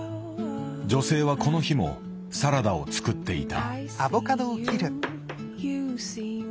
女性はこの日もサラダを作っていた。